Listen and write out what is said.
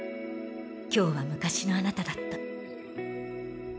今日は昔のあなただった。